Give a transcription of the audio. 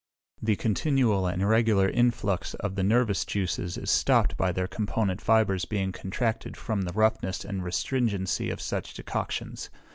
The continual and regular influx of the nervous juices is stopped by their component fibres being contracted from the roughness and restringency of such decoctions.